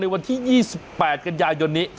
วันที่๒๘กันยายนนี้